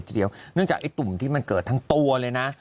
จริงจากตุ่มที่เกิดทั้งตัวเลยนะ